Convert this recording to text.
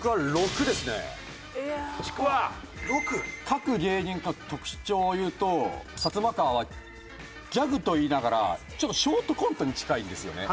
各芸人の特徴を言うとサツマカワはギャグと言いながらちょっとショートコントに近いんですよね。